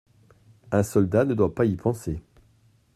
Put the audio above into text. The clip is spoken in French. Un soldat ne doit pas y penser.